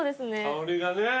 香りがね。